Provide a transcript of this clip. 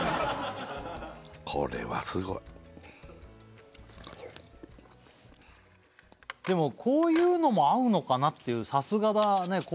はぁでもこういうのも合うのかなっていうさすがだね